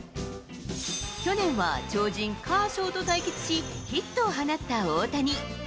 去年は超人カーショウと対決し、ヒットを放った大谷。